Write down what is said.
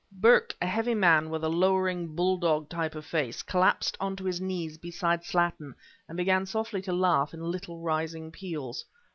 Burke, a heavy man with a lowering, bull dog type of face, collapsed onto his knees beside Slattin, and began softly to laugh in little rising peals.